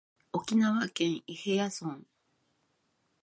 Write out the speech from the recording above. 沖縄県伊平屋村